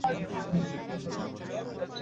আপনার স্ত্রীকে কোনো ডাক্তার দেখিয়েছেন?